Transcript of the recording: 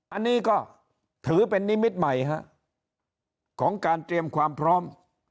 อันนี้ก็ถือเป็นนิมิตใหม่ของการเตรียมความพร้อม